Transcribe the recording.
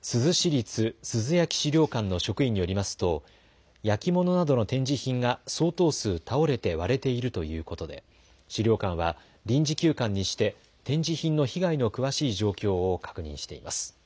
珠洲市立珠洲焼資料館の職員によりますと焼き物などの展示品が相当数倒れて割れているということで、資料館は臨時休館にして展示品の被害の詳しい状況を確認しています。